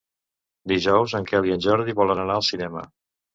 Dijous en Quel i en Jordi volen anar al cinema.